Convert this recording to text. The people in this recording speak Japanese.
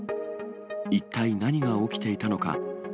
一体何が起きていたのか。